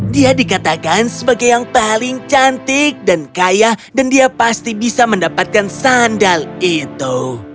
dia dikatakan sebagai yang paling cantik dan kaya dan dia pasti bisa mendapatkan sandal itu